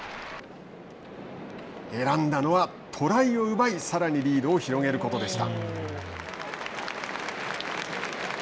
選んだのは、トライを奪いさらにリードを広げることでした。